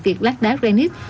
việc lát đá rên nít